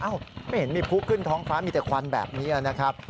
ไม่เห็นมีผู้ขึ้นท้องฟ้ามีแต่ควันแบบนี้นะครับ